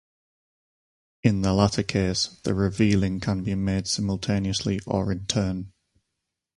In the latter case, the revealing can be made simultaneously or in turn.